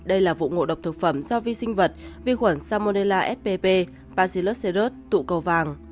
đây là vụ ngộ độc thực phẩm do vi sinh vật vi khuẩn salmonella spp palsilocerat tụ cầu vàng